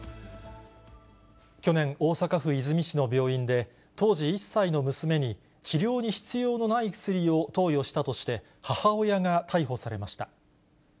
去年、大阪府和泉市の病院で、当時１歳の娘に、治療に必要のない薬を投与したとして、母親が逮捕されました。